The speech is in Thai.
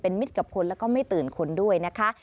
มิตรกับคนแล้วก็ไม่ตื่นคนด้วยนะคะ